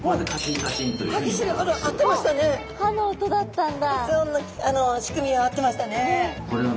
発音の仕組みは合ってましたね。